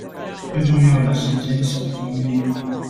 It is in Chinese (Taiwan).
最重要的是堅守中立